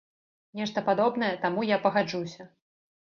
Нешта падобнае, таму, я пагаджуся.